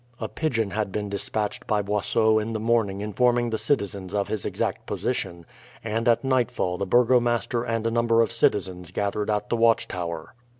A pigeon had been despatched by Boisot in the morning informing the citizens of his exact position, and at nightfall the burgomaster and a number of citizens gathered at the watchtower.